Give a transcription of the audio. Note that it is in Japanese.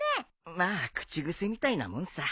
まあ口癖みたいなもんさ。